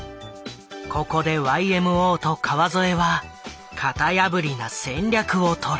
ここでＹＭＯと川添は型破りな戦略をとる。